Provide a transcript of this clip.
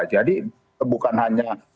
jadi bukan hanya